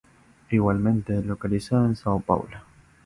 Igualmente localizada en São Paulo.